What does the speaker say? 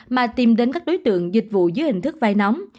mà tìm đến các đối tượng dịch vụ dưới hình thức vay nóng